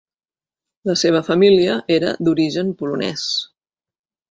La seva família era d'origen polonès.